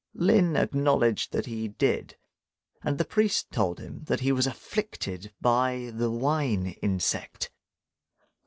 Lin acknowledged that he did; and the priest told him that he was afflicted by the wine insect.